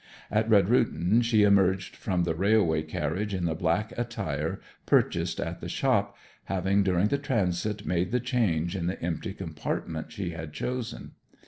At Redrutin she emerged from the railway carriage in the black attire purchased at the shop, having during the transit made the change in the empty compartment she had chosen.